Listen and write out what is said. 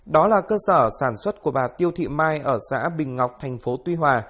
đó là cơ sở sản xuất của bà tiêu thị mai ở xã bình ngọc thành phố tuy hòa